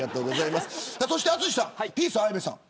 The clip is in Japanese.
そして淳さん、ピース綾部さん